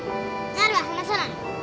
なるは話さない。